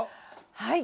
はい。